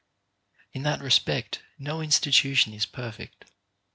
In that respect no institution is perfect.